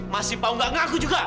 masih mau nggak aku juga